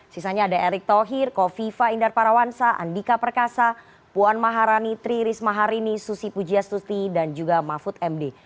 sisanya ada erick thohir kofifa indar parawansa andika perkasa puan maharani tri risma harini susi pujiastuti dan juga mahfud md